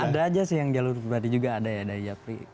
ada aja sih yang jalur berarti juga ada ya dari japri